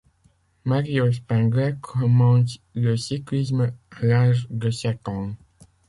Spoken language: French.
Mario Spengler commence le cyclisme à l'âge de sept ans.